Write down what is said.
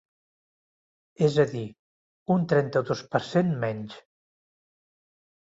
És a dir, un trenta-dos per cent menys.